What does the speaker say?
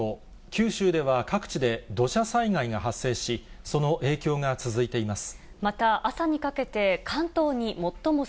九州では各地で土砂災害が発生し、その影響が続いています。